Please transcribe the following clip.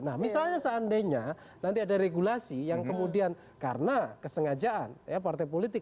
nah misalnya seandainya nanti ada regulasi yang kemudian karena kesengajaan ya partai politik